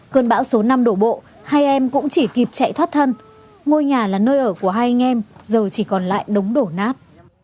cơn bão số năm đổ bộ hai em cũng chỉ kịp chạy thoát thân ngôi nhà là nơi ở của hai anh em giờ chỉ còn lại đống đổ nát